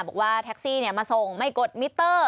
บอกว่าแท็กซี่มาส่งไม่กดมิเตอร์